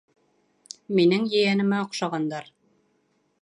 Минең ейәнемә оҡшағандар.